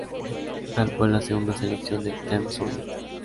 Hall fue la segunda selección del Team Sonnen.